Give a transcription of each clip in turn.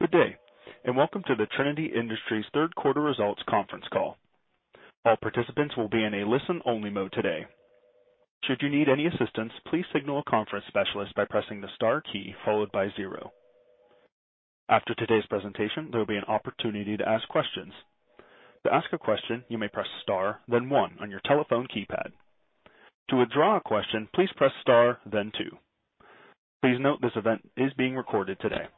Good day, and welcome to the Trinity Industries third quarter results conference call. All participants will be in a listen-only mode today. Should you need any assistance, please signal a conference specialist by pressing the star key followed by zero. After today's presentation, there will be an opportunity to ask questions. To ask a question, you may press star, then one on your telephone keypad. To withdraw a question, please press star then two. Please note this event is being recorded today.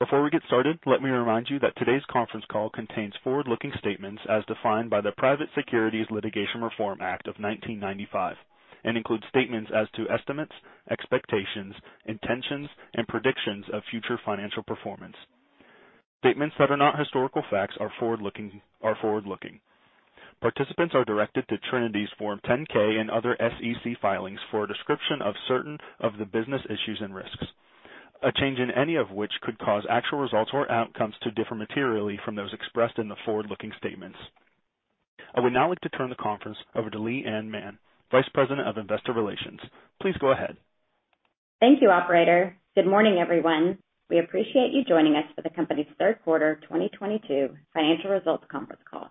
Before we get started, let me remind you that today's conference call contains forward-looking statements as defined by the Private Securities Litigation Reform Act of 1995 and includes statements as to estimates, expectations, intentions, and predictions of future financial performance. Statements that are not historical facts are forward-looking. Participants are directed to Trinity's Form 10-K and other SEC filings for a description of certain of the business issues and risks, a change in any of which could cause actual results or outcomes to differ materially from those expressed in the forward-looking statements. I would now like to turn the conference over to Leigh Anne Mann, Vice President of Investor Relations. Please go ahead. Thank you, operator. Good morning, everyone. We appreciate you joining us for the company's third quarter 2022 financial results conference call.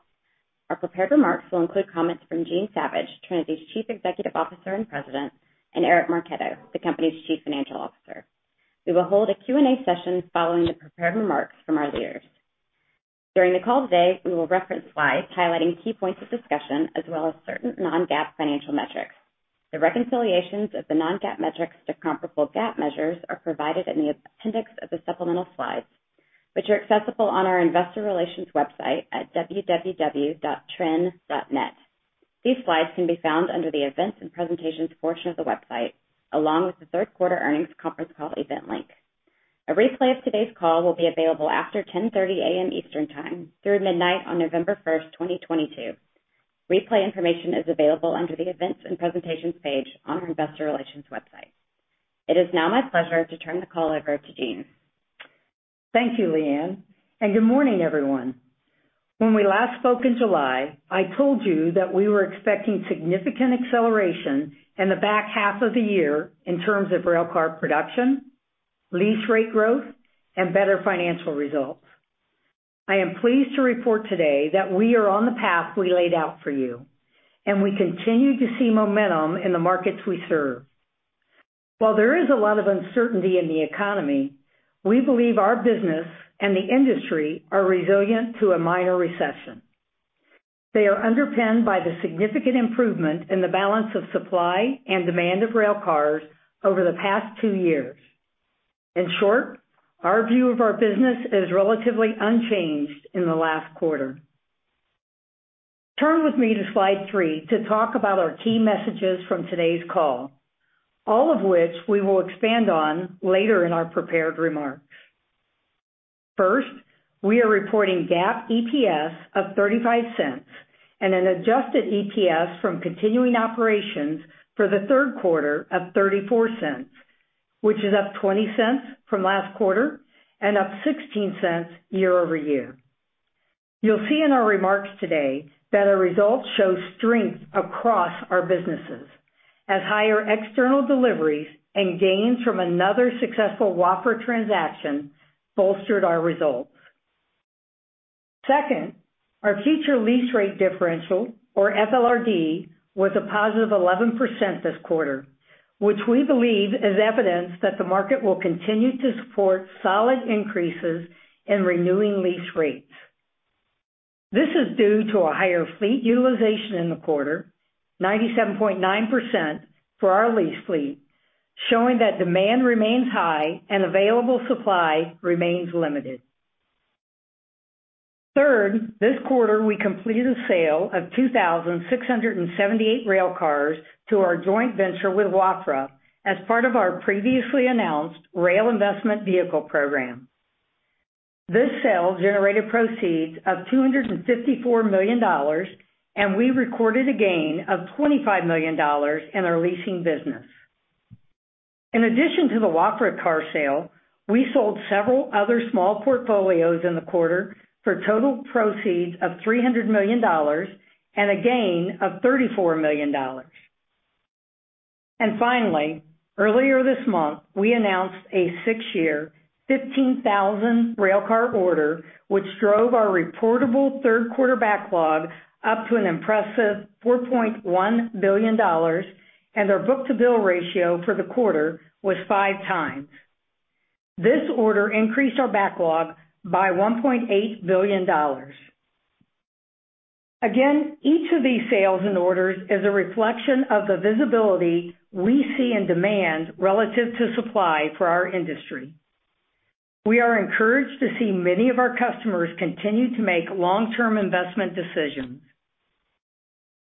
Our prepared remarks will include comments from Jean Savage, Trinity's chief executive officer and president, and Eric Marchetto, the company's chief financial officer. We will hold a Q&A session following the prepared remarks from our leaders. During the call today, we will reference slides highlighting key points of discussion as well as certain non-GAAP financial metrics. The reconciliations of the non-GAAP metrics to comparable GAAP measures are provided in the appendix of the supplemental slides, which are accessible on our investor relations website at www.trin.net. These slides can be found under the Events and Presentations portion of the website, along with the third quarter earnings conference call event link. A replay of today's call will be available after 10:30 A.M. Eastern Time through midnight on November 1s, 2022. Replay information is available under the Events and Presentations page on our investor relations website. It is now my pleasure to turn the call over to Jean. Thank you, Leigh Ann, and good morning, everyone. When we last spoke in July, I told you that we were expecting significant acceleration in the back half of the year in terms of railcar production, lease rate growth, and better financial results. I am pleased to report today that we are on the path we laid out for you, and we continue to see momentum in the markets we serve. While there is a lot of uncertainty in the economy, we believe our business and the industry are resilient to a minor recession. They are underpinned by the significant improvement in the balance of supply and demand of railcars over the past two years. In short, our view of our business is relatively unchanged in the last quarter. Turn with me to slide 3 to talk about our key messages from today's call, all of which we will expand on later in our prepared remarks. First, we are reporting GAAP EPS of $0.35 and an Adjusted EPS from continuing operations for the third quarter of $0.34, which is up $0.20 from last quarter and up $0.16 year-over-year. You'll see in our remarks today that our results show strength across our businesses as higher external deliveries and gains from another successful Wafra transaction bolstered our results. Second, our future lease rate differential or FLRD was a positive 11% this quarter, which we believe is evidence that the market will continue to support solid increases in renewing lease rates. This is due to a higher fleet utilization in the quarter, 97.9% for our lease fleet, showing that demand remains high and available supply remains limited. Third, this quarter, we completed a sale of 2,678 railcars to our joint venture with Wafra as part of our previously announced rail investment vehicle program. This sale generated proceeds of $254 million, and we recorded a gain of $25 million in our leasing business. In addition to the Wafra car sale, we sold several other small portfolios in the quarter for total proceeds of $300 million and a gain of $34 million. Finally, earlier this month, we announced a six-year, 15,000 railcar order, which drove our reportable third quarter backlog up to an impressive $4.1 billion, and our book-to-bill ratio for the quarter was five times. This order increased our backlog by $1.8 billion. Again, each of these sales and orders is a reflection of the visibility we see in demand relative to supply for our industry. We are encouraged to see many of our customers continue to make long-term investment decisions.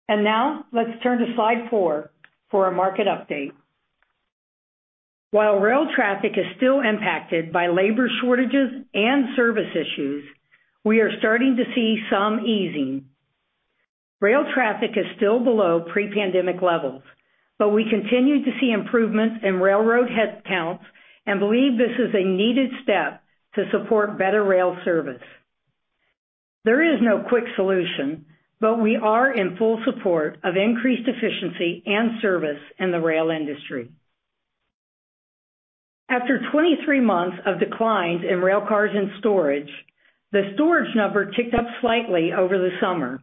Now let's turn to slide 4 for a market update. While rail traffic is still impacted by labor shortages and service issues, we are starting to see some easing. Rail traffic is still below pre-pandemic levels, but we continue to see improvements in railroad headcounts and believe this is a needed step to support better rail service. There is no quick solution, but we are in full support of increased efficiency and service in the rail industry. After 23 months of declines in railcars in storage, the storage number ticked up slightly over the summer,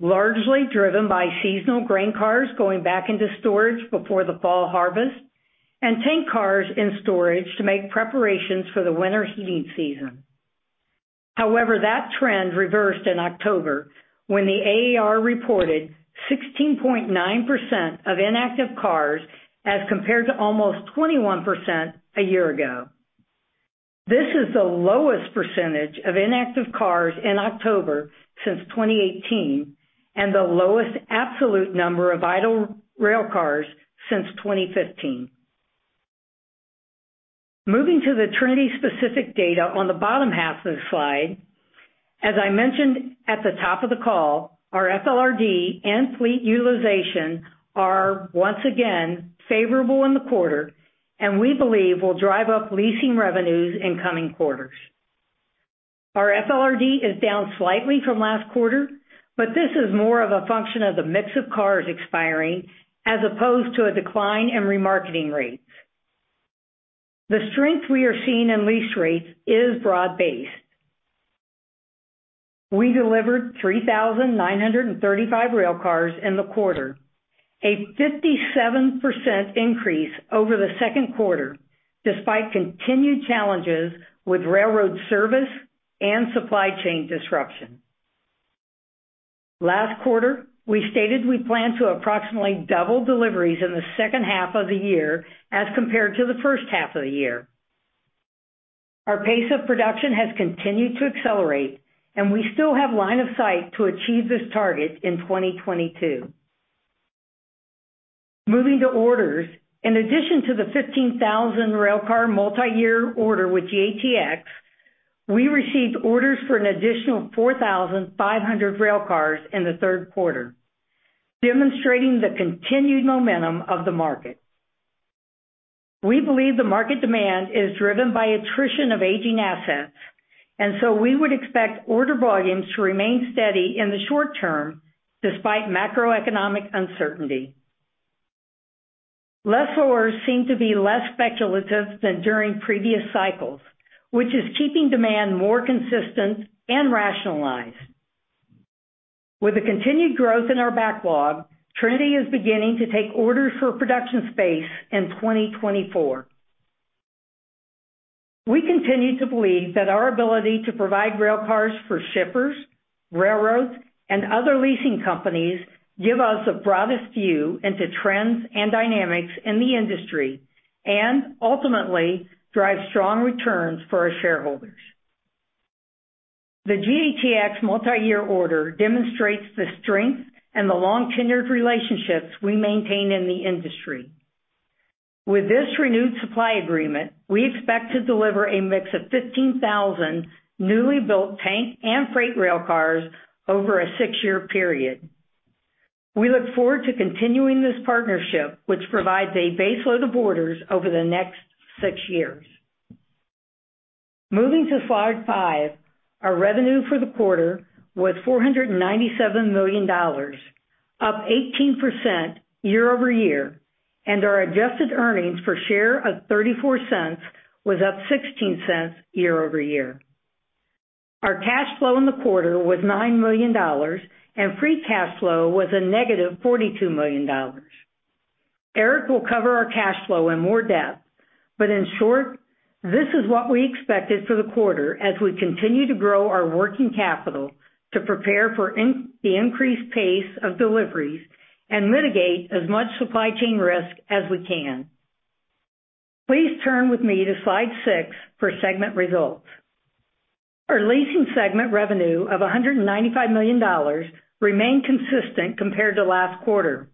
largely driven by seasonal grain cars going back into storage before the fall harvest and tank cars in storage to make preparations for the winter heating season. However, that trend reversed in October when the AAR reported 16.9% of inactive cars as compared to almost 21% a year ago. This is the lowest percentage of inactive cars in October since 2018, and the lowest absolute number of idle railcars since 2015. Moving to the Trinity-specific data on the bottom half of the slide, as I mentioned at the top of the call, our FLRD and fleet utilization are once again favorable in the quarter and we believe will drive up leasing revenues in coming quarters. Our FLRD is down slightly from last quarter, but this is more of a function of the mix of cars expiring as opposed to a decline in remarketing rates. The strength we are seeing in lease rates is broad-based. We delivered 3,935 railcars in the quarter, a 57% increase over the second quarter despite continued challenges with railroad service and supply chain disruption. Last quarter, we stated we plan to approximately double deliveries in the second half of the year as compared to the first half of the year. Our pace of production has continued to accelerate and we still have line of sight to achieve this target in 2022. Moving to orders. In addition to the 15,000 railcar multi-year order with GATX, we received orders for an additional 4,500 railcars in the third quarter, demonstrating the continued momentum of the market. We believe the market demand is driven by attrition of aging assets, and so we would expect order volumes to remain steady in the short term despite macroeconomic uncertainty. Lessors seem to be less speculative than during previous cycles, which is keeping demand more consistent and rationalized. With the continued growth in our backlog, Trinity is beginning to take orders for production space in 2024. We continue to believe that our ability to provide railcars for shippers, railroads and other leasing companies give us the broadest view into trends and dynamics in the industry and ultimately drive strong returns for our shareholders. The GATX multi-year order demonstrates the strength and the long-tenured relationships we maintain in the industry. With this renewed supply agreement, we expect to deliver a mix of 15,000 newly built tank and freight railcars over a six year period. We look forward to continuing this partnership, which provides a baseload of orders over the next 6 years. Moving to slide 5. Our revenue for the quarter was $497 million, up 18% year-over-year, and our adjusted earnings per share of $0.34 was up $0.16 year-over-year. Our cash flow in the quarter was $9 million and free cash flow was -$42 million. Eric will cover our cash flow in more depth, but in short, this is what we expected for the quarter as we continue to grow our working capital to prepare for the increased pace of deliveries and mitigate as much supply chain risk as we can. Please turn with me to slide 6 for segment results. Our leasing segment revenue of $195 million remained consistent compared to last quarter,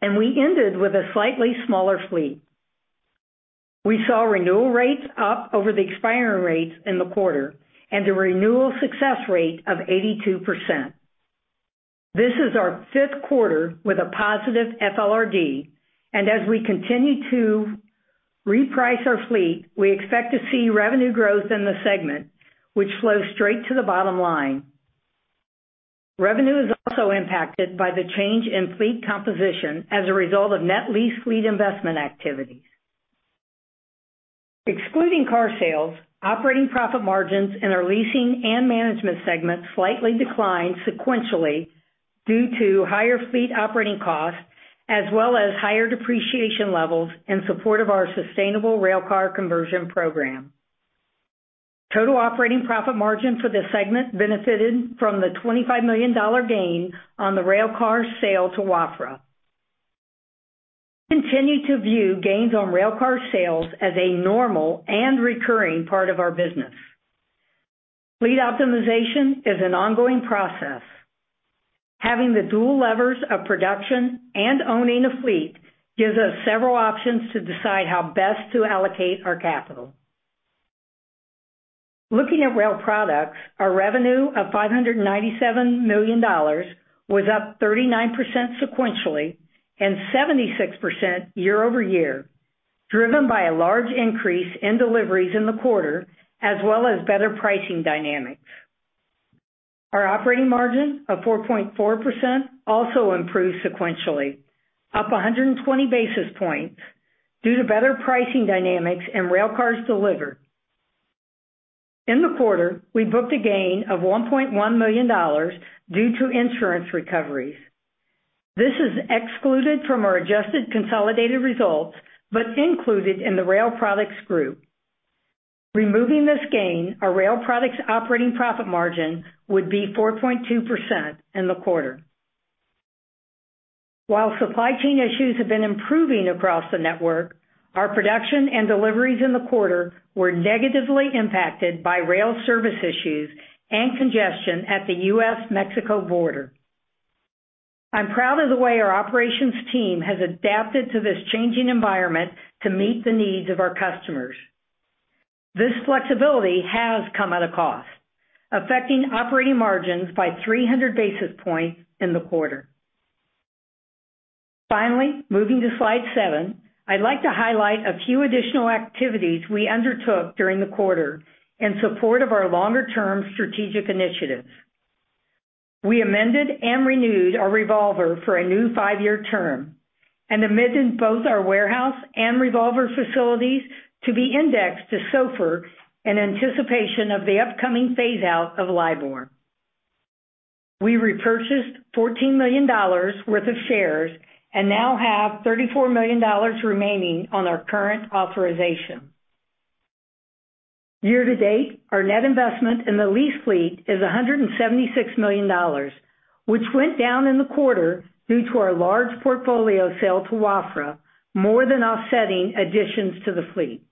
and we ended with a slightly smaller fleet. We saw renewal rates up over the expiring rates in the quarter and a renewal success rate of 82%. This is our fifth quarter with a positive FLRD, and as we continue to reprice our fleet, we expect to see revenue growth in the segment which flows straight to the bottom line. Revenue is also impacted by the change in fleet composition as a result of net lease fleet investment activities. Excluding car sales, operating profit margins in our leasing and management segment slightly declined sequentially due to higher fleet operating costs as well as higher depreciation levels in support of our sustainable railcar conversion program. Total operating profit margin for the segment benefited from the $25 million gain on the railcar sale to Wafra. We continue to view gains on railcar sales as a normal and recurring part of our business. Fleet optimization is an ongoing process. Having the dual levers of production and owning a fleet gives us several options to decide how best to allocate our capital. Looking at rail products, our revenue of $597 million was up 39% sequentially and 76% year-over-year, driven by a large increase in deliveries in the quarter, as well as better pricing dynamics. Our operating margin of 4.4% also improved sequentially, up 120 basis points due to better pricing dynamics and railcars delivered. In the quarter, we booked a gain of $1.1 million due to insurance recoveries. This is excluded from our adjusted consolidated results but included in the rail products group. Removing this gain, our rail products operating profit margin would be 4.2% in the quarter. While supply chain issues have been improving across the network, our production and deliveries in the quarter were negatively impacted by rail service issues and congestion at the U.S.-Mexico border. I'm proud of the way our operations team has adapted to this changing environment to meet the needs of our customers. This flexibility has come at a cost, affecting operating margins by 300 basis points in the quarter. Finally, moving to slide 7, I'd like to highlight a few additional activities we undertook during the quarter in support of our longer-term strategic initiatives. We amended and renewed our revolver for a new 5-year term and amended both our warehouse and revolver facilities to be indexed to SOFR in anticipation of the upcoming phase-out of LIBOR. We repurchased $14 million worth of shares and now have $34 million remaining on our current authorization. Year to date, our net investment in the lease fleet is $176 million, which went down in the quarter due to our large portfolio sale to Wafra, more than offsetting additions to the fleet.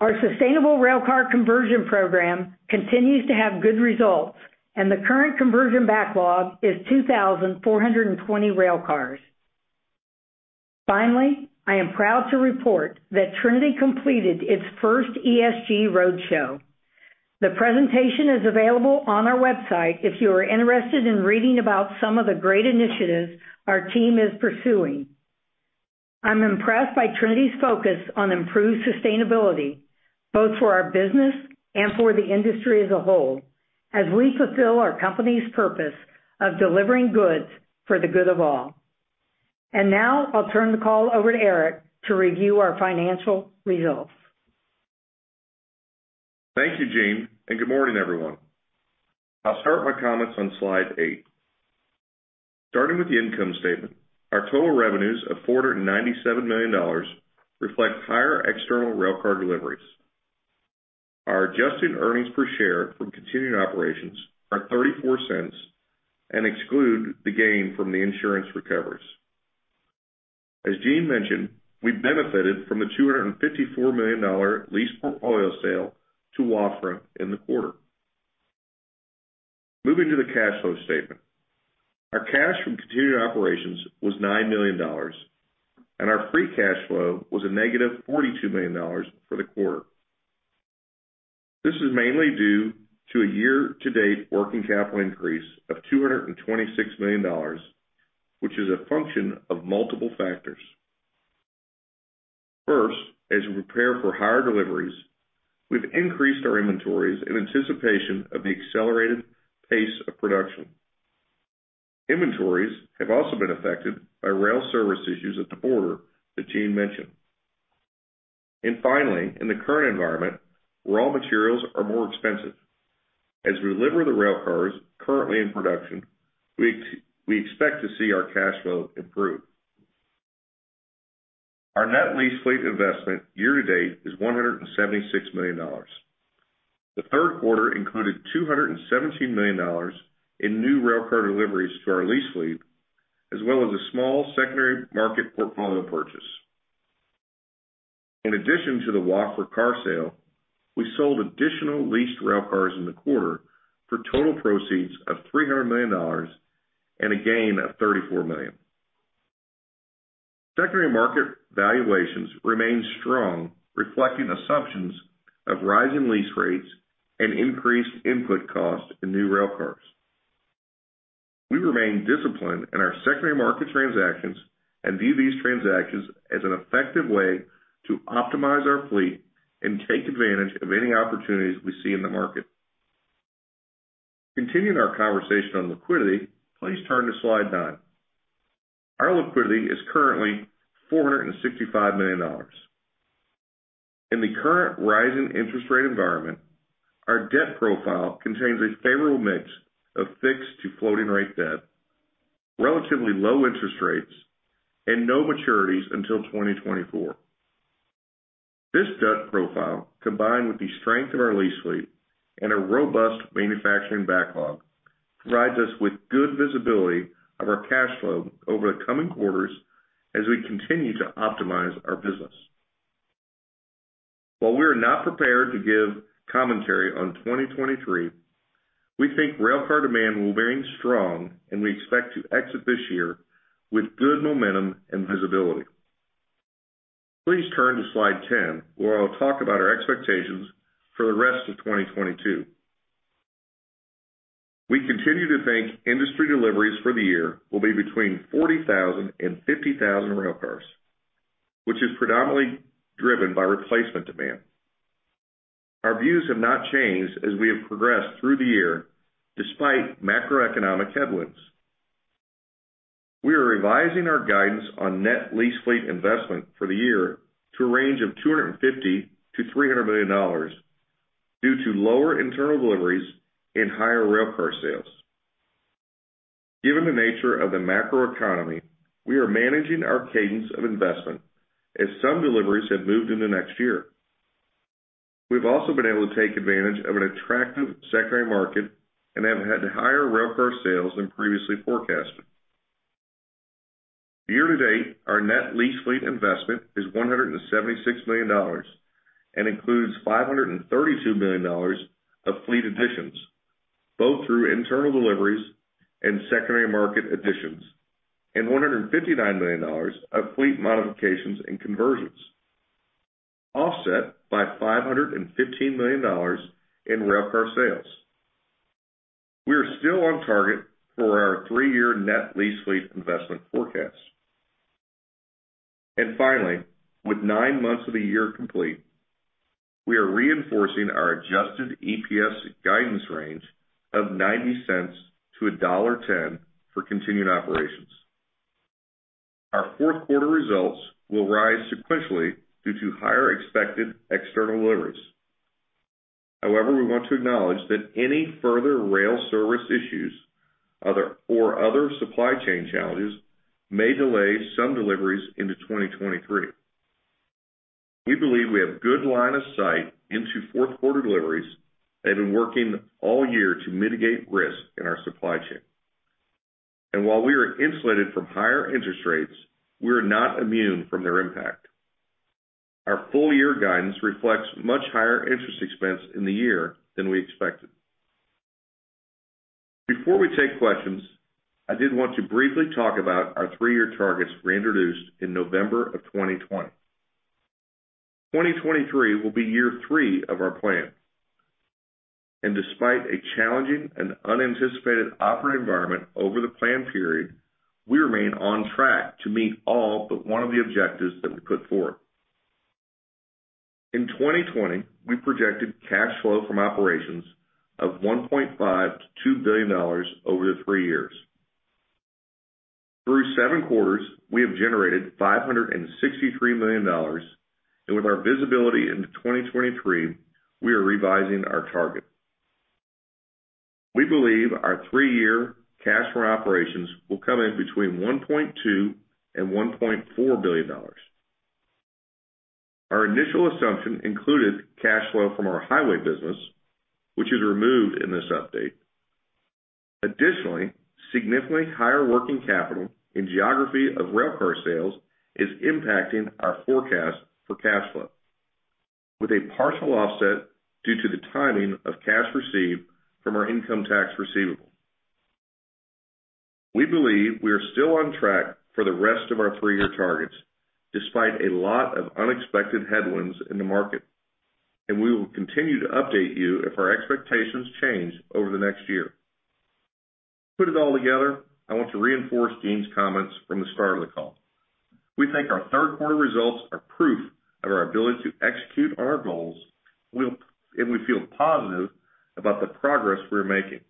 Our sustainable railcar conversion program continues to have good results, and the current conversion backlog is 2,400 railcars. Finally, I am proud to report that Trinity completed its first ESG roadshow. The presentation is available on our website if you are interested in reading about some of the great initiatives our team is pursuing. I'm impressed by Trinity's focus on improved sustainability, both for our business and for the industry as a whole, as we fulfill our company's purpose of delivering goods for the good of all. Now I'll turn the call over to Eric to review our financial results. Thank you, Jean, and good morning, everyone. I'll start my comments on slide 8. Starting with the income statement, our total revenues of $497 million reflect higher external railcar deliveries. Our adjusted earnings per share from continuing operations are $0.34 and exclude the gain from the insurance recoveries. As Jean mentioned, we benefited from the $254 million lease portfolio sale to Wafra in the quarter. Moving to the cash flow statement. Our cash from continuing operations was $9 million, and our free cash flow was -$42 million for the quarter. This is mainly due to a year-to-date working capital increase of $226 million, which is a function of multiple factors. First, as we prepare for higher deliveries, we've increased our inventories in anticipation of the accelerated pace of production. Inventories have also been affected by rail service issues at the border that Jean mentioned. Finally, in the current environment, raw materials are more expensive. As we deliver the railcars currently in production, we expect to see our cash flow improve. Our net lease fleet investment year to date is $176 million. The third quarter included $217 million in new railcar deliveries to our lease fleet, as well as a small secondary market portfolio purchase. In addition to the Wafra car sale, we sold additional leased railcars in the quarter for total proceeds of $300 million and a gain of 34 million. Secondary market valuations remain strong, reflecting assumptions of rising lease rates and increased input costs in new railcars. We remain disciplined in our secondary market transactions and view these transactions as an effective way to optimize our fleet and take advantage of any opportunities we see in the market. Continuing our conversation on liquidity, please turn to slide nine. Our liquidity is currently $465 million. In the current rising interest rate environment, our debt profile contains a favorable mix of fixed to floating rate debt, relatively low interest rates, and no maturities until 2024. This debt profile, combined with the strength of our lease fleet and a robust manufacturing backlog, provides us with good visibility of our cash flow over the coming quarters as we continue to optimize our business. While we are not prepared to give commentary on 2023, we think railcar demand will remain strong, and we expect to exit this year with good momentum and visibility. Please turn to slide 10, where I'll talk about our expectations for the rest of 2022. We continue to think industry deliveries for the year will be between 40,000-50,000 railcars, which is predominantly driven by replacement demand. Our views have not changed as we have progressed through the year despite macroeconomic headwinds. We are revising our guidance on net lease fleet investment for the year to a range of $250 million-$300 million due to lower internal deliveries and higher railcar sales. Given the nature of the macroeconomy, we are managing our cadence of investment as some deliveries have moved into next year. We've also been able to take advantage of an attractive secondary market and have had higher railcar sales than previously forecasted. Year to date, our net lease fleet investment is $176 million and includes $532 million of fleet additions, both through internal deliveries and secondary market additions, and $159 million of fleet modifications and conversions, offset by $515 million in railcar sales. We are still on target for our three-year net lease fleet investment forecast. Finally, with nine months of the year complete, we are reinforcing our Adjusted EPS guidance range of $0.90-$1.10 for continuing operations. Our fourth quarter results will rise sequentially due to higher expected external deliveries. However, we want to acknowledge that any further rail service issues or other supply chain challenges may delay some deliveries into 2023. We believe we have good line of sight into fourth quarter deliveries and have been working all year to mitigate risk in our supply chain. While we are insulated from higher interest rates, we are not immune from their impact. Our full year guidance reflects much higher interest expense in the year than we expected. Before we take questions, I did want to briefly talk about our three-year targets we introduced in November of 2020. 2023 will be year three of our plan. Despite a challenging and unanticipated operating environment over the plan period, we remain on track to meet all but one of the objectives that we put forward. In 2020, we projected cash flow from operations of $1.5 billion-$2 billion over the three years. Through seven quarters, we have generated $563 million, and with our visibility into 2023, we are revising our target. We believe our three-year cash from operations will come in between $1.2 billion and $1.4 billion. Our initial assumption included cash flow from our highway business, which is removed in this update. Additionally, significantly higher working capital in geography of railcar sales is impacting our forecast for cash flow, with a partial offset due to the timing of cash received from our income tax receivable. We believe we are still on track for the rest of our three-year targets, despite a lot of unexpected headwinds in the market, and we will continue to update you if our expectations change over the next year. To put it all together, I want to reinforce Jean's comments from the start of the call. We think our third quarter results are proof of our ability to execute on our goals, and we feel positive about the progress we are making.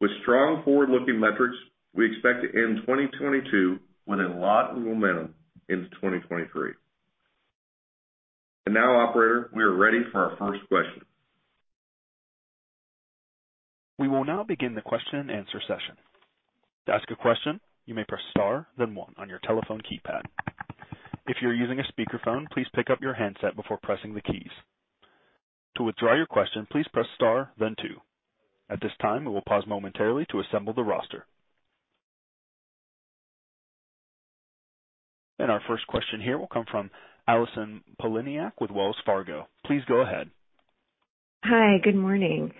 With strong forward-looking metrics, we expect to end 2022 with a lot of momentum into 2023. Now, operator, we are ready for our first question. We will now begin the question and answer session. To ask a question, you may press star, then one on your telephone keypad. If you're using a speakerphone, please pick up your handset before pressing the keys. To withdraw your question, please press star, then two. At this time, we will pause momentarily to assemble the roster. Our first question here will come from Allison Poliniak-Cusic with Wells Fargo. Please go ahead. Hi. Good morning.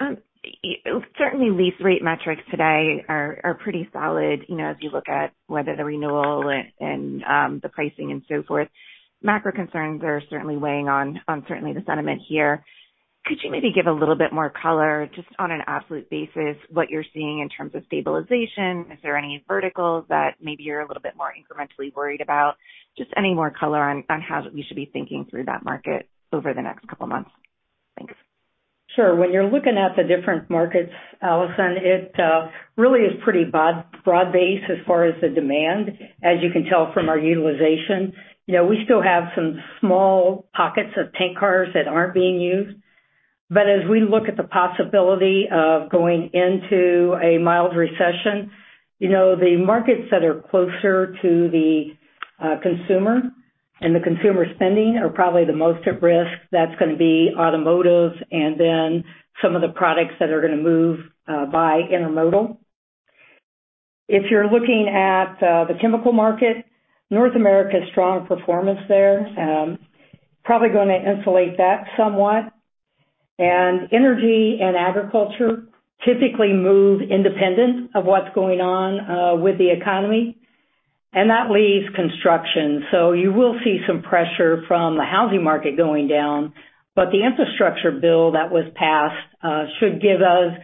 Certainly lease rate metrics today are pretty solid, you know, as you look at the renewal and the pricing and so forth. Macro concerns are certainly weighing on the sentiment here. Could you maybe give a little bit more color just on an absolute basis, what you're seeing in terms of stabilization? Is there any verticals that maybe you're a little bit more incrementally worried about? Just any more color on how we should be thinking through that market over the next couple of months. Thanks. Sure. When you're looking at the different markets, Allison, it really is pretty broad-based as far as the demand, as you can tell from our utilization. You know, we still have some small pockets of tank cars that aren't being used. But as we look at the possibility of going into a mild recession, you know, the markets that are closer to the consumer and the consumer spending are probably the most at risk. That's gonna be automotive and then some of the products that are gonna move by intermodal. If you're looking at the chemical market, North America's strong performance there, probably gonna insulate that somewhat. Energy and agriculture typically move independent of what's going on with the economy. That leaves construction. You will see some pressure from the housing market going down, but the infrastructure bill that was passed should give us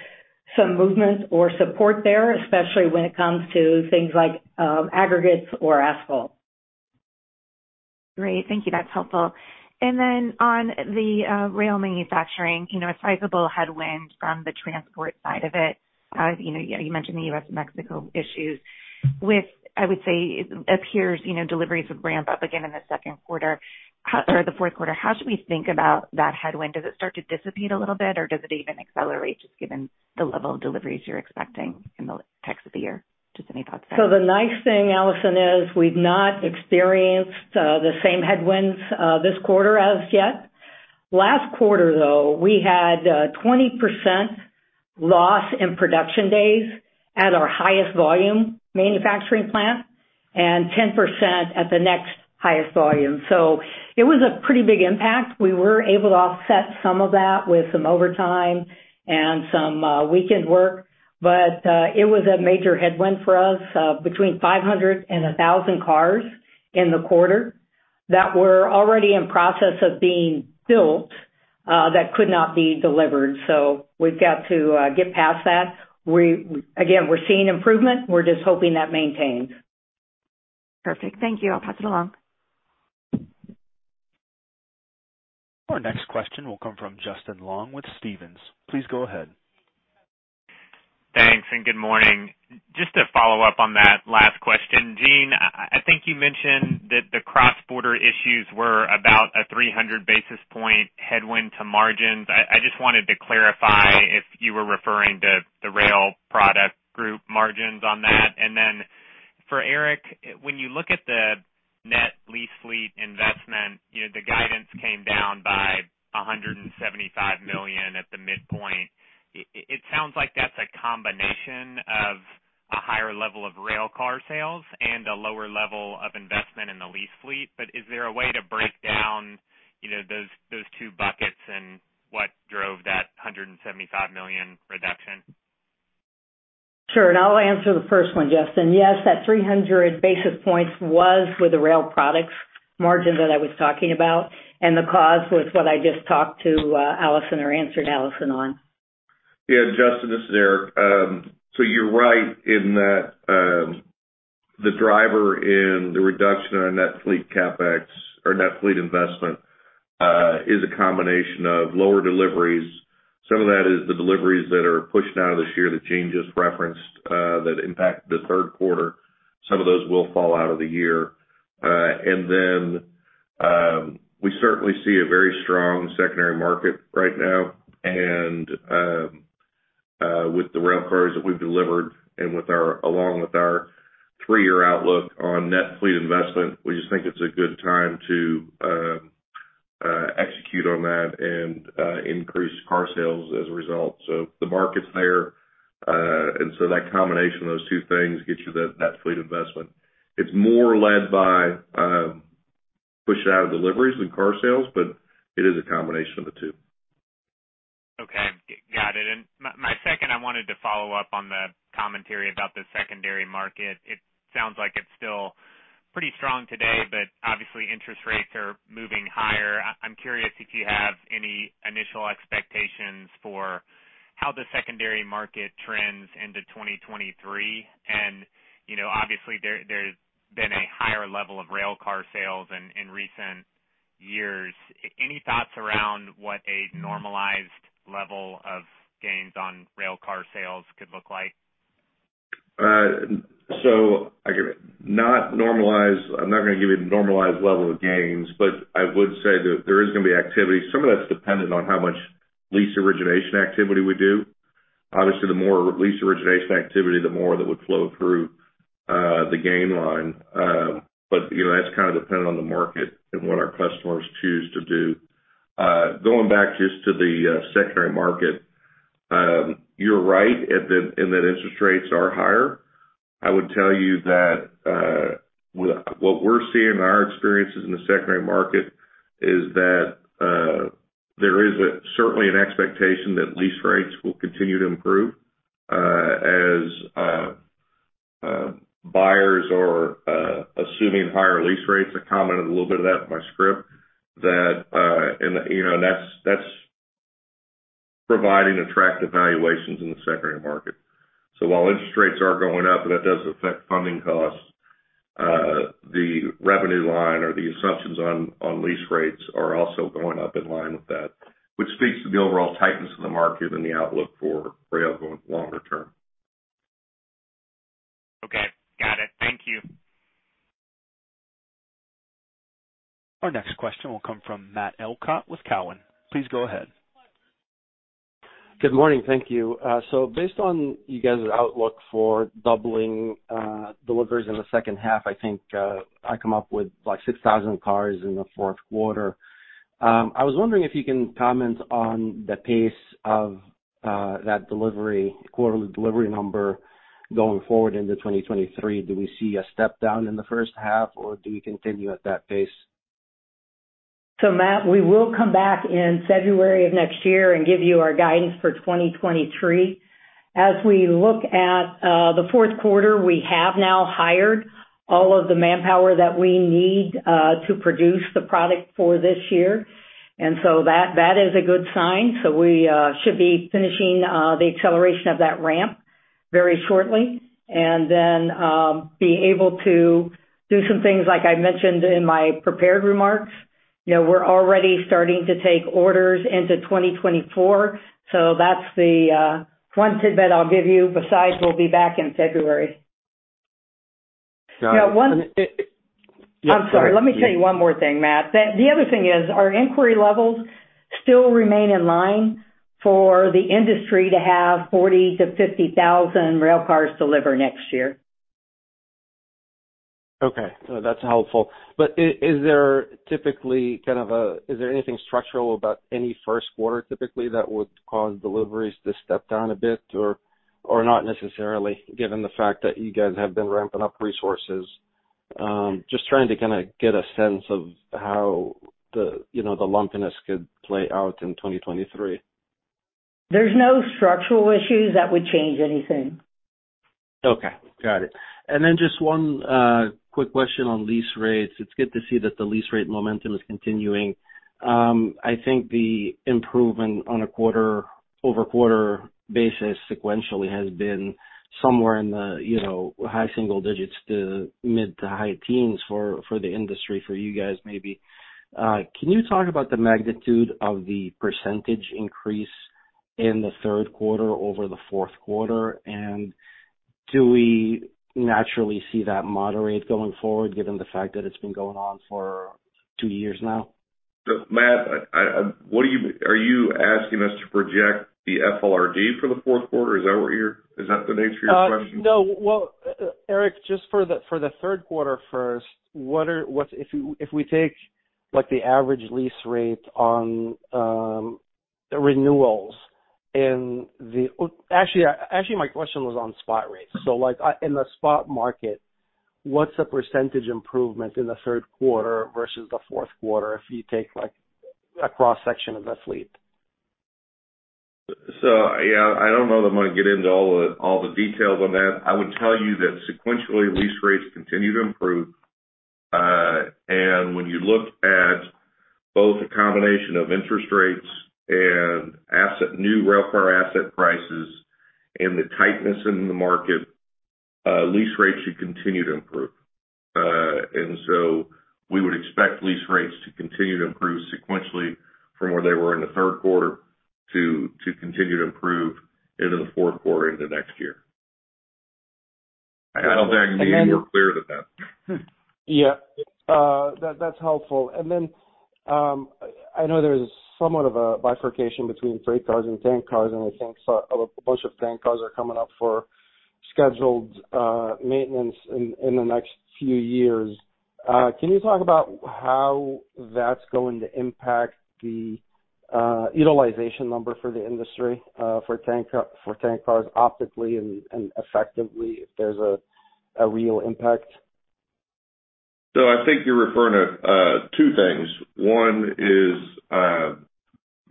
some movement or support there, especially when it comes to things like aggregates or asphalt. Great. Thank you. That's helpful. On the rail manufacturing, you know, a sizable headwind from the transport side of it. As you know, you mentioned the US-Mexico issues. I would say it appears, you know, deliveries would ramp up again in the second quarter or the fourth quarter. How should we think about that headwind? Does it start to dissipate a little bit, or does it even accelerate just given the level of deliveries you're expecting in the rest of the year? Just any thoughts there. The nice thing, Allison, is we've not experienced the same headwinds this quarter as yet. Last quarter, though, we had 20% loss in production days at our highest volume manufacturing plant and 10% at the next highest volume. It was a pretty big impact. We were able to offset some of that with some overtime and some weekend work, but it was a major headwind for us, between 500-1,000 cars in the quarter that were already in process of being built that could not be delivered. We've got to get past that. Again, we're seeing improvement. We're just hoping that maintains. Perfect. Thank you. I'll pass it along. Our next question will come from Justin Long with Stephens. Please go ahead. Thanks, good morning. Just to follow up on that last question. Jean, I think you mentioned that the cross-border issues were about a 300 basis point headwind to margins. I just wanted to clarify if you were referring to the rail product group margins on that. For Eric, when you look at the net lease fleet investment, you know, the guidance came down by $175 million at the midpoint. It sounds like that's a combination of a higher level of rail car sales and a lower level of investment in the lease fleet. Is there a way to break down, you know, those two buckets and what drove that $175 million reduction? Sure, I'll answer the first one, Justin. Yes, that 300 basis points was with the rail products margin that I was talking about, and the cause was what I just talked to Allison or answered Allison on. Yeah, Justin, this is Eric. You're right in that the driver in the reduction in our net fleet CapEx or net fleet investment is a combination of lower deliveries. Some of that is the deliveries that are pushed out of this year that Jean just referenced that impacted the third quarter. Some of those will fall out of the year. We certainly see a very strong secondary market right now. With the rail cars that we've delivered and along with our three-year outlook on net fleet investment, we just think it's a good time to execute on that and increase car sales as a result. The market's there, and that combination of those two things gets you the net fleet investment. It's more led by, pushed out deliveries than car sales, but it is a combination of the two. Okay. Got it. My second, I wanted to follow up on the commentary about the secondary market. It sounds like it's still pretty strong today, but obviously interest rates are moving higher. I'm curious if you have any initial expectations for how the secondary market trends into 2023. You know, obviously there's been a higher level of rail car sales in recent years. Any thoughts around what a normalized level of gains on rail car sales could look like? I give it not normalized. I'm not gonna give you a normalized level of gains, but I would say that there is gonna be activity. Some of that's dependent on how much lease origination activity we do. Obviously, the more lease origination activity, the more that would flow through the gain line. You know, that's kind of dependent on the market and what our customers choose to do. Going back just to the secondary market, you're right in that interest rates are higher. I would tell you that what we're seeing in our experiences in the secondary market is that there is certainly an expectation that lease rates will continue to improve as buyers are assuming higher lease rates. I commented a little bit of that in my script that, you know, that's providing attractive valuations in the secondary market. While interest rates are going up and that does affect funding costs, the revenue line or the assumptions on lease rates are also going up in line with that, which speaks to the overall tightness in the market and the outlook for rail going longer term. Okay. Got it. Thank you. Our next question will come from Matt Elkott with Cowen. Please go ahead. Good morning. Thank you. Based on you guys' outlook for doubling deliveries in the second half, I think I come up with like 6,000 cars in the fourth quarter. I was wondering if you can comment on the pace of that delivery, quarterly delivery number going forward into 2023. Do we see a step down in the first half, or do we continue at that pace? Matt, we will come back in February of next year and give you our guidance for 2023. As we look at the fourth quarter, we have now hired all of the manpower that we need to produce the product for this year. That is a good sign. We should be finishing the acceleration of that ramp very shortly, and then be able to do some things like I mentioned in my prepared remarks. You know, we're already starting to take orders into 2024, so that's the one tidbit I'll give you besides we'll be back in February. Got it. Now one- Yeah. Sorry. I'm sorry. Let me tell you one more thing, Matt. The other thing is our inquiry levels still remain in line for the industry to have 40,000-50,000 railcars deliver next year. Okay. No, that's helpful. Is there anything structural about any first quarter typically that would cause deliveries to step down a bit or not necessarily, given the fact that you guys have been ramping up resources? Just trying to kinda get a sense of how the, you know, the lumpiness could play out in 2023. There's no structural issues that would change anything. Okay. Got it. Just one quick question on lease rates. It's good to see that the lease rate momentum is continuing. I think the improvement on a quarter-over-quarter basis sequentially has been somewhere in the you know high single digits% to mid- to high teens% for the industry, for you guys maybe. Can you talk about the magnitude of the percentage increase in the third quarter over the fourth quarter? Do we naturally see that moderate going forward, given the fact that it's been going on for two years now? Matt, are you asking us to project the FLRD for the fourth quarter? Is that what you're asking? Is that the nature of your question? No. Eric, just for the third quarter first. Actually, my question was on spot rates. Like, in the spot market, what's the percentage improvement in the third quarter versus the fourth quarter if you take, like, a cross-section of the fleet? Yeah, I don't know that I'm gonna get into all the details on that. I would tell you that sequentially lease rates continue to improve. When you look at both the combination of interest rates and asset, new railcar asset prices and the tightness in the market, lease rates should continue to improve. We would expect lease rates to continue to improve sequentially from where they were in the third quarter to continue to improve into the fourth quarter into next year. I don't think I can be more clear than that. Yeah. That's helpful. Then, I know there's somewhat of a bifurcation between freight cars and tank cars, and I think a bunch of tank cars are coming up for scheduled maintenance in the next few years. Can you talk about how that's going to impact the utilization number for the industry for tank cars optically and effectively if there's a real impact? I think you're referring to two things. One is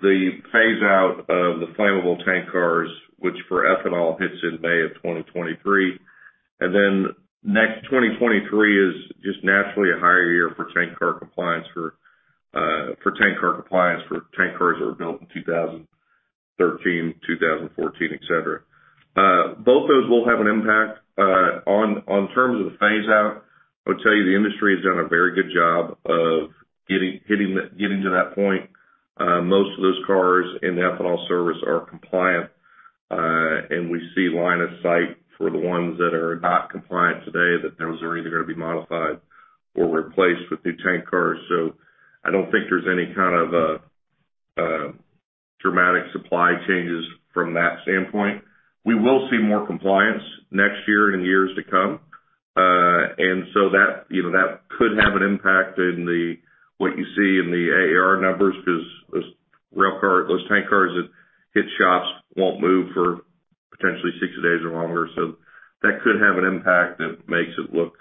the phase out of the flammable tank cars, which for ethanol hits in May of 2023. 2023 is just naturally a higher year for tank car compliance for tank cars that were built in 2013, 2014, et cetera. Both those will have an impact. On terms of the phase out, I would tell you the industry has done a very good job of getting to that point. Most of those cars in the ethanol service are compliant, and we see line of sight for the ones that are not compliant today, that those are either gonna be modified or replaced with new tank cars. I don't think there's any kind of a dramatic supply changes from that standpoint. We will see more compliance next year and years to come. That, you know, could have an impact in what you see in the AAR numbers because those tank cars that hit shops won't move for potentially 60 days or longer. That could have an impact that makes it look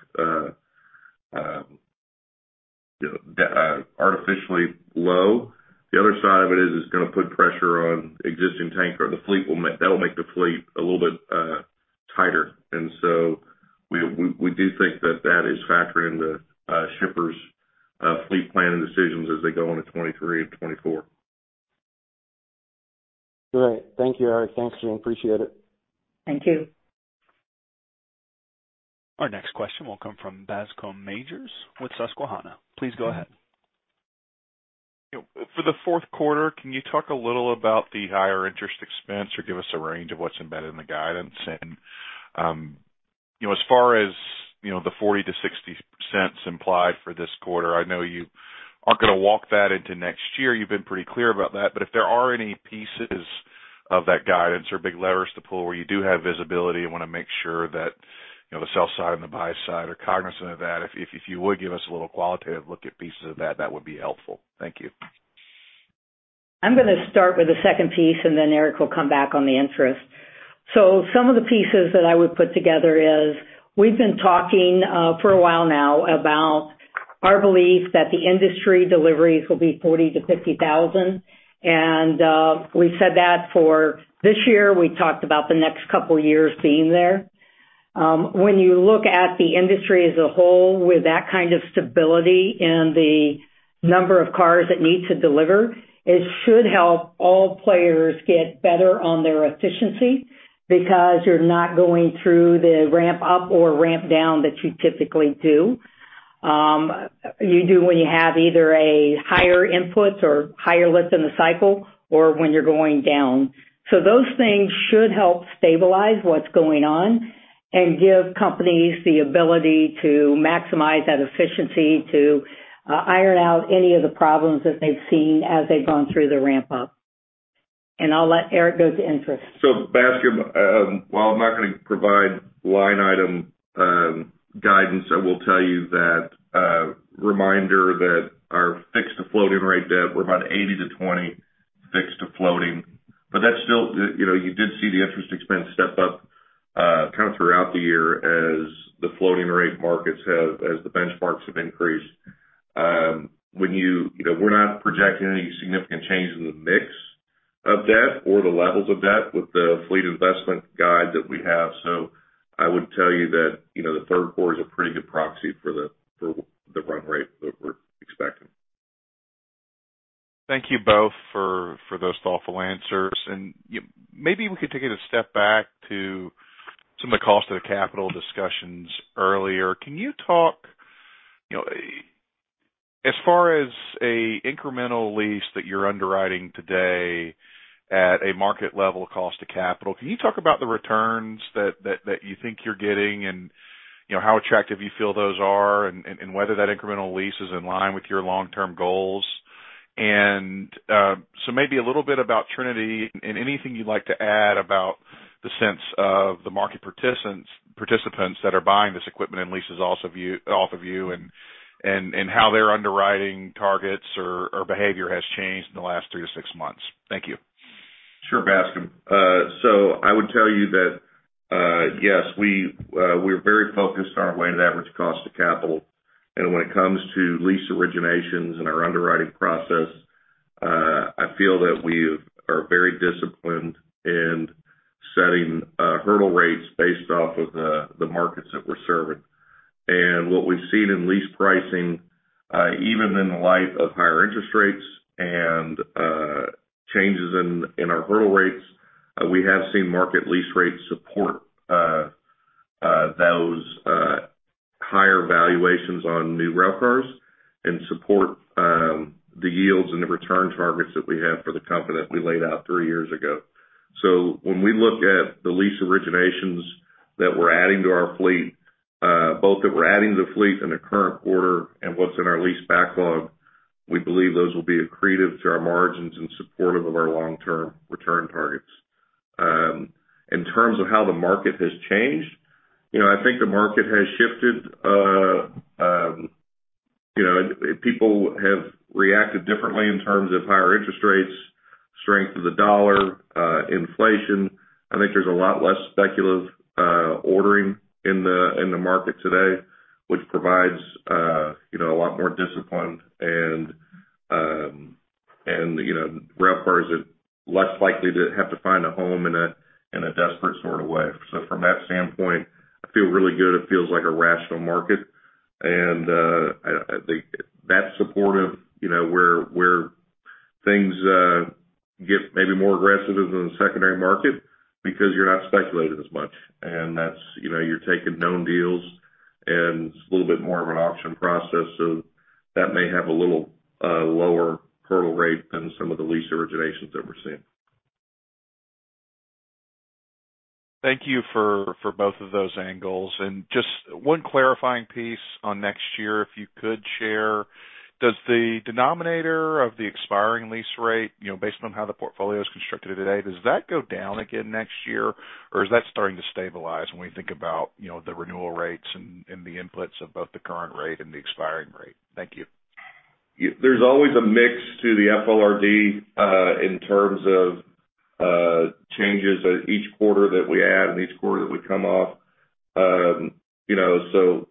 artificially low. The other side of it is it's gonna put pressure on existing tankcar fleet. That'll make the fleet a little bit tighter. We do think that that is factored into shippers' fleet planning decisions as they go into 2023 and 2024. Great. Thank you, Eric. Thanks, Jean. Appreciate it. Thank you. Our next question will come from Bascome Majors with Susquehanna. Please go ahead. For the fourth quarter, can you talk a little about the higher interest expense or give us a range of what's embedded in the guidance? You know, as far as, you know, the $0.40-$0.60 implied for this quarter, I know you aren't gonna walk that into next year. You've been pretty clear about that, but if there are any pieces of that guidance or big levers to pull where you do have visibility and wanna make sure that, you know, the sell side and the buy side are cognizant of that, if you would give us a little qualitative look at pieces of that would be helpful. Thank you. I'm gonna start with the second piece, and then Eric will come back on the interest. Some of the pieces that I would put together is we've been talking for a while now about our belief that the industry deliveries will be 40,000-50,000. We said that for this year. We talked about the next couple years being there. When you look at the industry as a whole with that kind of stability and the number of cars that need to deliver, it should help all players get better on their efficiency because you're not going through the ramp up or ramp down that you typically do when you have either a higher input or higher lift in the cycle or when you're going down. Those things should help stabilize what's going on and give companies the ability to maximize that efficiency to iron out any of the problems that they've seen as they've gone through the ramp up. I'll let Eric go to interest. Bascome Majors, while I'm not gonna provide line item guidance, I will tell you that, reminder that our fixed to floating rate debt, we're about 80-20 fixed to floating. That's still, you know, you did see the interest expense step up, kind of throughout the year as the benchmarks have increased. You know, we're not projecting any significant changes in the mix of debt or the levels of debt with the fleet investment guide that we have. I would tell you that, you know, the third quarter is a pretty good proxy for the run rate that we're expecting. Thank you both for those thoughtful answers. Maybe we could take it a step back to some of the cost of the capital discussions earlier. Can you talk, you know, as far as an incremental lease that you're underwriting today at a market level cost of capital, can you talk about the returns that you think you're getting and, you know, how attractive you feel those are and whether that incremental lease is in line with your long-term goals? Maybe a little bit about Trinity and anything you'd like to add about the sense of the market participants that are buying this equipment and leases also view off of you and how their underwriting targets or behavior has changed in the last three to six months. Thank you. Sure, Bascome. I would tell you that, yes, we're very focused on our weighted average cost of capital. When it comes to lease originations and our underwriting process, I feel that we are very disciplined in setting hurdle rates based off of the markets that we're serving. What we've seen in lease pricing, even in light of higher interest rates and changes in our hurdle rates, we have seen market lease rates support those higher valuations on new rail cars and support the yields and the return targets that we have for the company that we laid out three years ago. When we look at the lease originations that we're adding to our fleet, both that we're adding to the fleet in the current quarter and what's in our lease backlog, we believe those will be accretive to our margins in support of our long-term return targets. In terms of how the market has changed, you know, I think the market has shifted. You know, people have reacted differently in terms of higher interest rates, strength of the dollar, inflation. I think there's a lot less speculative ordering in the market today, which provides you know, a lot more discipline and you know, rail cars are less likely to have to find a home in a desperate sort of way. From that standpoint, I feel really good. It feels like a rational market, and I think that's supportive, you know, where things get maybe more aggressive than the secondary market because you're not speculating as much. That's, you know, you're taking known deals, and it's a little bit more of an auction process. That may have a little lower hurdle rate than some of the lease originations that we're seeing. Thank you for both of those angles. Just one clarifying piece on next year, if you could share. Does the denominator of the expiring lease rate, you know, based on how the portfolio is constructed today, does that go down again next year, or is that starting to stabilize when we think about, you know, the renewal rates and the inputs of both the current rate and the expiring rate? Thank you. There's always a mix to the FLRD in terms of changes each quarter that we add and each quarter that we come off. You know, so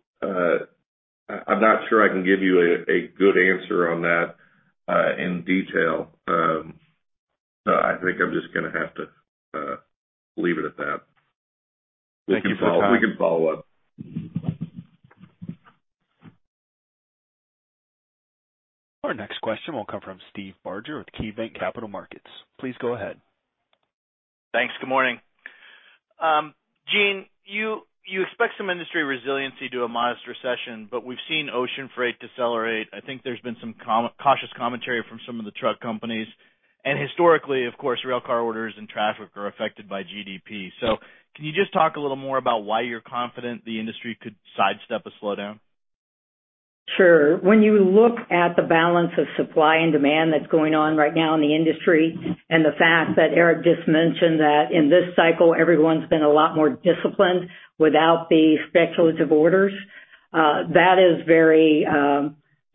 I'm not sure I can give you a good answer on that in detail. I think I'm just gonna have to leave it at that. Thank you for the time. We can follow up. Our next question will come from Steve Barger with KeyBanc Capital Markets. Please go ahead. Thanks. Good morning. Jean, you expect some industry resiliency to a modest recession, but we've seen ocean freight decelerate. I think there's been some cautious commentary from some of the truck companies. Historically, of course, rail car orders and traffic are affected by GDP. Can you just talk a little more about why you're confident the industry could sidestep a slowdown? Sure. When you look at the balance of supply and demand that's going on right now in the industry, and the fact that Eric just mentioned that in this cycle, everyone's been a lot more disciplined without the speculative orders, that is very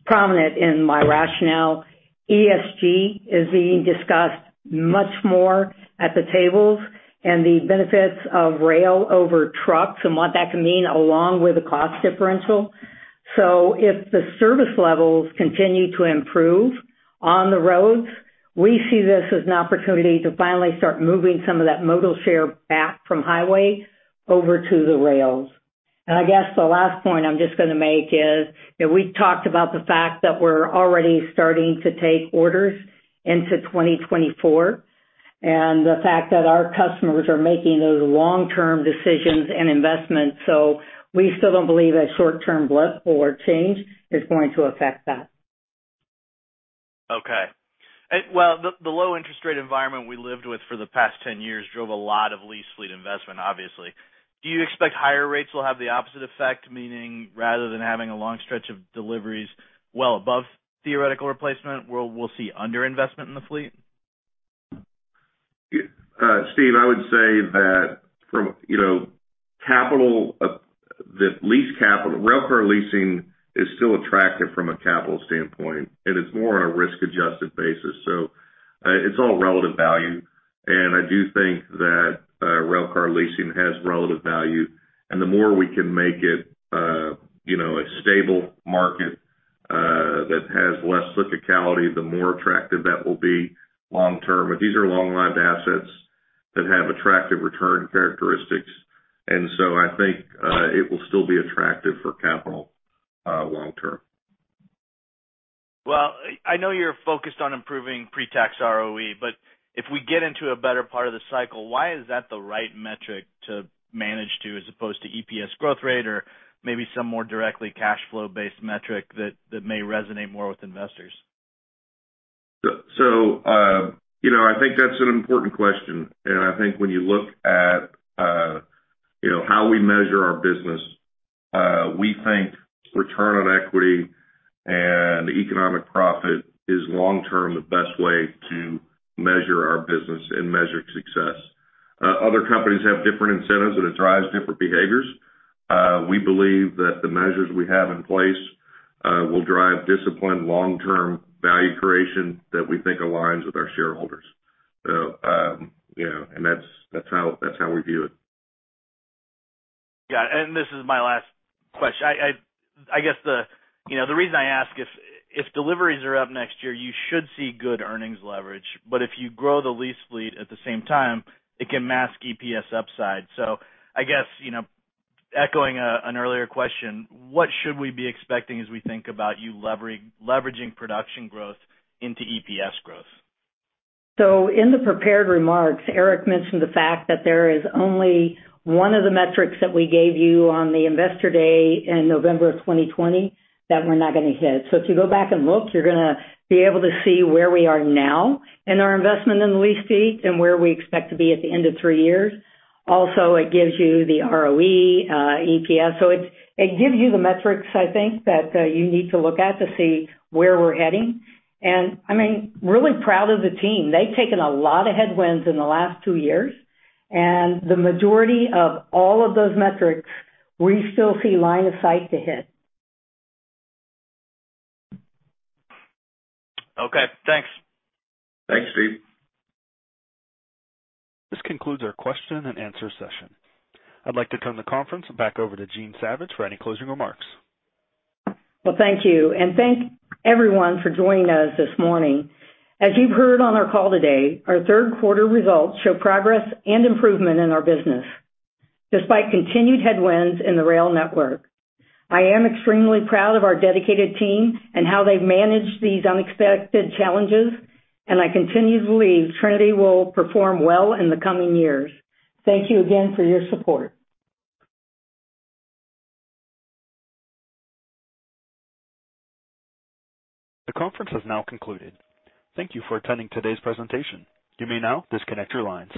prominent in my rationale. ESG is being discussed much more at the tables and the benefits of rail over trucks and what that can mean along with the cost differential. If the service levels continue to improve on the rails, we see this as an opportunity to finally start moving some of that modal share back from highway over to the rails. I guess the last point I'm just gonna make is that we talked about the fact that we're already starting to take orders into 2024, and the fact that our customers are making those long-term decisions and investments, so we still don't believe a short-term blip or change is going to affect that. Okay. Well, the low interest rate environment we lived with for the past 10 years drove a lot of lease fleet investment, obviously. Do you expect higher rates will have the opposite effect, meaning rather than having a long stretch of deliveries well above theoretical replacement, we'll see under-investment in the fleet? Steve, I would say that railcar leasing is still attractive from a capital standpoint, and it's more on a risk-adjusted basis. It's all relative value, and I do think that railcar leasing has relative value. The more we can make it, you know, a stable market that has less cyclicality, the more attractive that will be long term. These are long-lived assets that have attractive return characteristics. I think it will still be attractive for capital long term. Well, I know you're focused on improving pre-tax ROE, but if we get into a better part of the cycle, why is that the right metric to manage to as opposed to EPS growth rate or maybe some more directly cash flow-based metric that may resonate more with investors? You know, I think that's an important question. I think when you look at, you know, how we measure our business, we think return on equity and economic profit is long-term the best way to measure our business and measure success. Other companies have different incentives, and it drives different behaviors. We believe that the measures we have in place will drive disciplined long-term value creation that we think aligns with our shareholders. You know, that's how we view it. Yeah, this is my last question. I guess the, you know, the reason I ask if deliveries are up next year, you should see good earnings leverage, but if you grow the lease fleet at the same time, it can mask EPS upside. I guess, you know, echoing an earlier question, what should we be expecting as we think about you leveraging production growth into EPS growth? In the prepared remarks, Eric mentioned the fact that there is only one of the metrics that we gave you on the investor day in November of 2020 that we're not gonna hit. If you go back and look, you're gonna be able to see where we are now in our investment in the lease fleet and where we expect to be at the end of three years. Also, it gives you the ROE, EPS. It gives you the metrics, I think, that you need to look at to see where we're heading. I mean, really proud of the team. They've taken a lot of headwinds in the last two years, and the majority of all of those metrics, we still see line of sight to hit. Okay, thanks. Thanks, Steve. This concludes our question-and-answer session. I'd like to turn the conference back over to Jean Savage for any closing remarks. Well, thank you. Thank everyone for joining us this morning. As you've heard on our call today, our third quarter results show progress and improvement in our business, despite continued headwinds in the rail network. I am extremely proud of our dedicated team and how they've managed these unexpected challenges, and I continue to believe Trinity will perform well in the coming years. Thank you again for your support. The conference has now concluded. Thank you for attending today's presentation. You may now disconnect your lines.